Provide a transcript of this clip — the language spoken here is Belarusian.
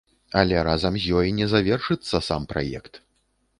Але разам з ёй не завершыцца сам праект.